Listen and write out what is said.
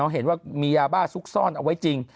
เห็นว่ามียาบ้าซุกซ่อนเอาไว้จริง